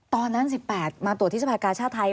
ตอนนั้น๑๘มาตรวจที่สภากาชาติไทย